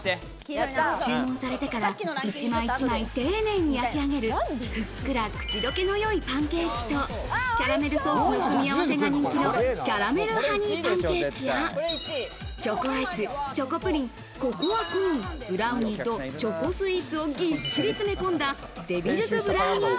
注文されてから一枚一枚丁寧に焼き上げる、ふっくら口どけのよいパンケーキと、キャラメルソースの組み合わせが人気のキャラメルハニーパンケーキや、チョコアイス、チョコプリン、ココアコーン、ブラウニーとチョコスイーツをぎっしり詰め込んだ、ＤＥＶＩＬ’Ｓブラウニー